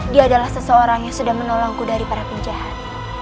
dia adalah seseorang yang sudah menolongku dari para penjahat